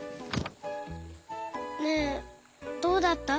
ねえどうだった？